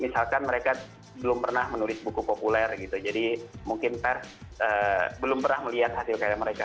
misalkan mereka belum pernah menulis buku populer gitu jadi mungkin pers belum pernah melihat hasil karya mereka